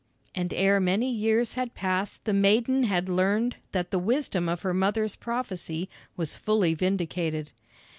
And ere many years had passed the maiden had learned that the wisdom of her mother's prophecy was fully vindicated.